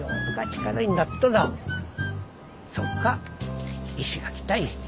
そっが石垣たい。